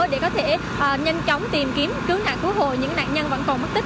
để có thể nhanh chóng tìm kiếm cứu nạn cứu hộ những nạn nhân vẫn còn mất tích